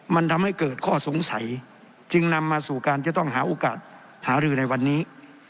มันทำให้เกิดข้อสงสัยจึงนำมาสู่การจะต้องหาโอกาสหารือในวันนี้